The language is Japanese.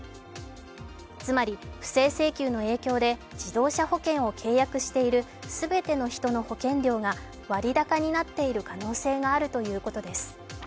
つまり不正請求の影響で、自動車保険を契約している全ての人の保険料が割高になっている可能性があるということです。